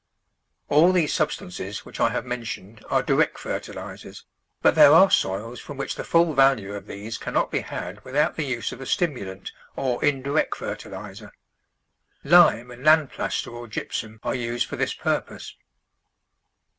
All these substances which I have mentioned are direct fertilisers, but there are soils from which the full value of these cannot be had without the use of a stimulant or indirect fertiliser. Lime and land plaster or gypsum are used for this purpose.